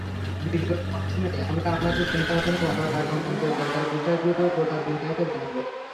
ভিডিওর মাধ্যমেই আমরা আমাদের চিন্তাভাবনা, ভালো লাগা-মন্দ লাগার বিষয়গুলো গোটা দুনিয়াকে জানাব।